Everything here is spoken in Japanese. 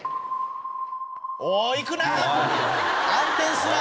おいいくな！